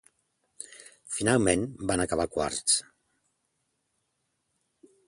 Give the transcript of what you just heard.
Finalment van acabar quarts.